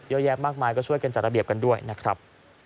เยอะแยะมากมายก็ช่วยกันจัดระเบียบกันด้วยนะครับ